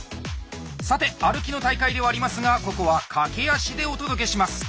さて歩きの大会ではありますがここは駆け足でお届けします。